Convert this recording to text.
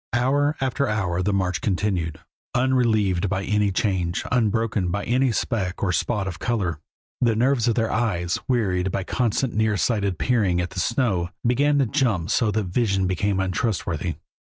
Hour after hour the march continued, unrelieved by any change, unbroken by any speck or spot of color. The nerves of their eyes, wearied by constant nearsighted peering at the snow, began to jump so that vision became untrustworthy.